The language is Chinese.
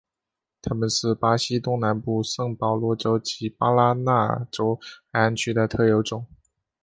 它们是巴西东南部圣保罗州及巴拉那州海岸区的特有种。